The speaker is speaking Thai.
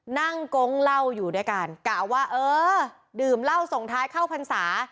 กงเหล้าอยู่ด้วยกันกะว่าเออดื่มเหล้าส่งท้ายเข้าพรรษา